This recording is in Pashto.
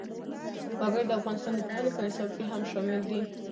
وګړي د افغانستان د پوهنې په نصاب کې هم شامل دي.